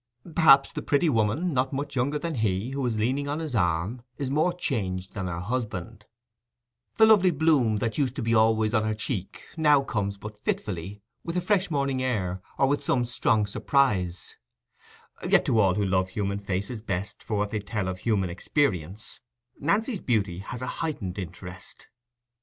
Perhaps the pretty woman, not much younger than he, who is leaning on his arm, is more changed than her husband: the lovely bloom that used to be always on her cheek now comes but fitfully, with the fresh morning air or with some strong surprise; yet to all who love human faces best for what they tell of human experience, Nancy's beauty has a heightened interest.